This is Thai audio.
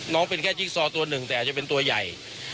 เป็นแค่จิ๊กซอตัวหนึ่งแต่อาจจะเป็นตัวใหญ่